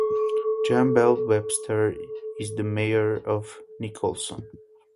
Jan Bell Webster is the Mayor of Nicholson.